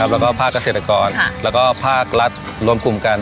แล้วก็ภาคเกษตรกรแล้วก็ภาครัฐรวมกลุ่มกัน